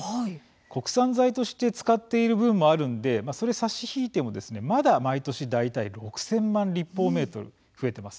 国産材として使っている分もあるんでそれ差し引いても、まだ毎年大体６０００万立方メートル増えています。